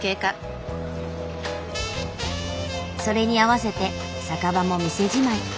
それに合わせて酒場も店じまい。